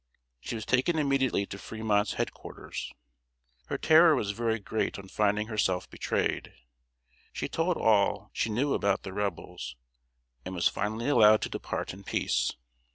She was taken immediately to Fremont's head quarters. Her terror was very great on finding herself betrayed. She told all she knew about the Rebels, and was finally allowed to depart in peace.